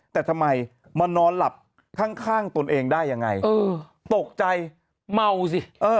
แต่ทำไมมานอนหลับข้างตนเองได้ยังไงตกใจเมาสิ